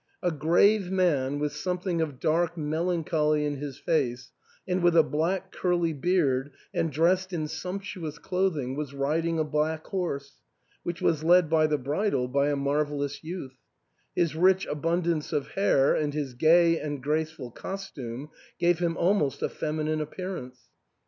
A grave man, with something of dark melancholy in his face, and with a black curly beard and dressed in sumptuous clothing, was riding a black horse, which was led by the bridle by a marvellous youth : his rich abundance of hair and his gay and graceful costume gave him almost a feminine appearance.